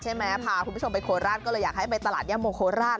พาคุณผู้ชมไปโคราชก็เลยอยากให้ไปตลาดย่าโมโคราช